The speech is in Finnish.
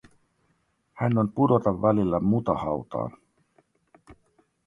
Hän on pudota välillä mutahautaan.